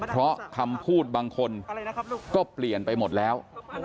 เพราะคำพูดบางคนก็เปลี่ยนไปหมดแล้ว